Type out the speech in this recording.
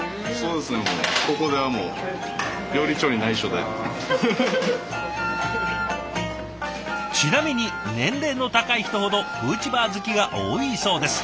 ここではちなみに年齢の高い人ほどフーチバー好きが多いそうです。